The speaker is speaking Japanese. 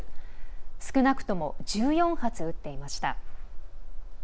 少なくとも１４発撃っていました。